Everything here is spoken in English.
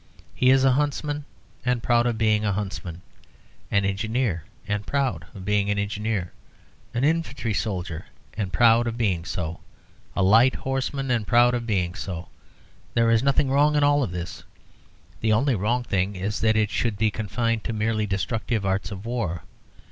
He is a huntsman and proud of being a huntsman, an engineer and proud of being an engineer, an infantry soldier and proud of being so, a light horseman and proud of being so. There is nothing wrong in all this; the only wrong thing is that it should be confined to the merely destructive arts of war.